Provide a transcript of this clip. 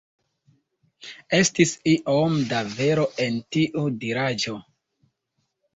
Estis iom da vero en tiu diraĵo.